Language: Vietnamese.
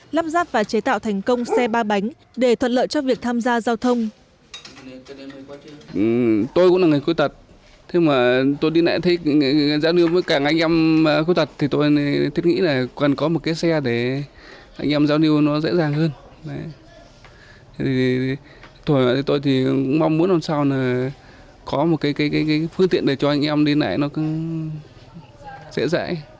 lắp ráp và chế tạo thành công xe ba bánh để thuận lợi cho việc tham gia giao thông